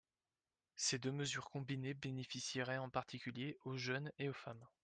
Ces deux mesures combinées bénéficieraient en particulier aux jeunes et aux femmes.